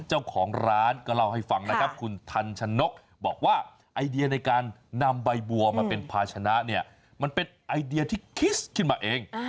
เจ้าของร้านก็เล่าให้ฟังนะครับคุณทันชนกบอกว่าไอเดียในการนำใบบัวมาเป็นภาชนะเนี่ยมันเป็นไอเดียที่คิดขึ้นมาเอง